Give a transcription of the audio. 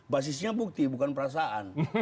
basisnya bukti bukan perasaan